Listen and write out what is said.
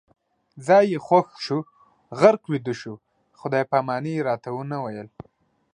ځای یې خوښ شو، غرق ویده شو، خدای پامان یې راته نه ویل